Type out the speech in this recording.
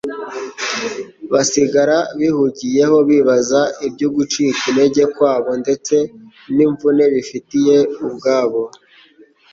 basigara bihugiyeho bibaza iby'ugucika intege kwabo ndetse n'imvune bifitiye ubwabo.